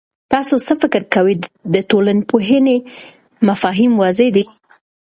تاسو څه فکر کوئ، د ټولنپوهنې مفاهیم واضح دي؟